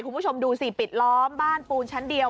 คุณผู้ชมดูสิปิดล้อมบ้านปูนชั้นเดียว